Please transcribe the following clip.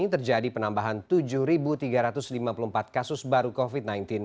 terjadi penambahan tujuh tiga ratus lima puluh empat kasus baru covid sembilan belas